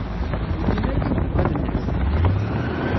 Ur llin ara d imeddukal-nnek?